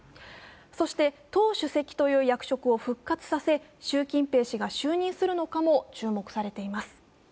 そして党主席という役職を復活させ習近平氏が就任するのかも注目されています。